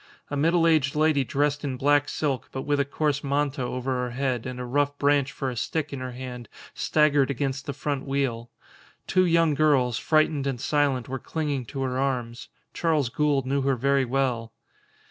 A middle aged lady dressed in black silk, but with a coarse manta over her head and a rough branch for a stick in her hand, staggered against the front wheel. Two young girls, frightened and silent, were clinging to her arms. Charles Gould knew her very well.